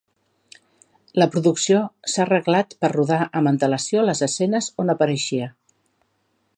La producció s'ha arreglat per rodar amb antelació les escenes on apareixia.